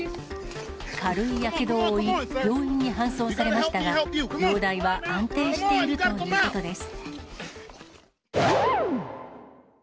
軽いやけどを負い、病院に搬送されましたが、容体は安定しているということです。